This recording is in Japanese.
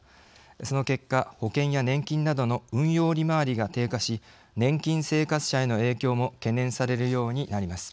その結果、保険や年金などの運用利回りが低下し年金生活者への影響も懸念されるようになります。